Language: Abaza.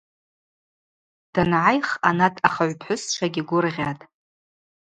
Дангӏайх анат ахыгӏвпхӏвысчвагьи гвыргъьатӏ.